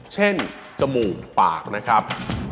เช่นจมูกปากนะครับ